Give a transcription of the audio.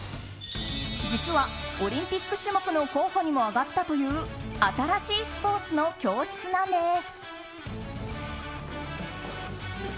実はオリンピック種目の候補にも上がったという新しいスポーツの教室なんです。